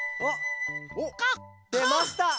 おっでました！